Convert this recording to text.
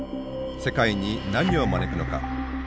世界に何を招くのか。